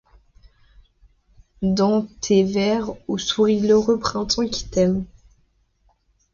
Dans tes vers, où sourit l'heureux printemps qui t'aime